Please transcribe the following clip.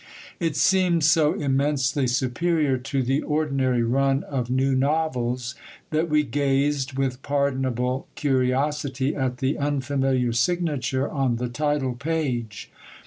It seemed so immensely superior to the ordinary run of new novels, that we gazed with pardonable curiosity at the unfamiliar signature on the title page.